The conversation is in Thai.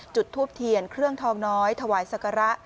จุดทูปเทียนเครื่องทองน้อยถวายศักระ